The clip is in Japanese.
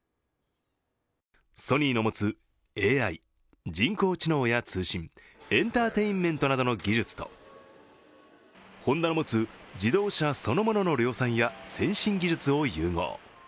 ソニーの持つＡＩ＝人工知能や通信、エンターテインメントなどの技術とホンダの持つ自動車そのものの量産や先進技術を融合。